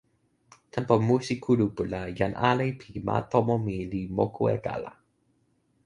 tenpo musi kulupu la jan ale pi ma tomo mi li moku e kala.